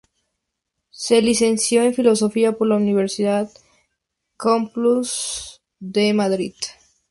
Se licenció en Filosofía por la Universidad Complutense de Madrid.